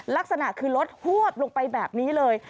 ลักษณะคือรถหวบลงไปแบบนี้เลย